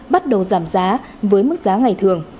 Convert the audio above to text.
bắt đầu giảm giá với mức giá ngày thường